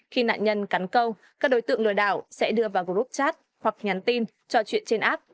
khi nạn nhân cắn câu các đối tượng lừa đảo sẽ đưa vào group chat hoặc nhắn tin trò chuyện trên app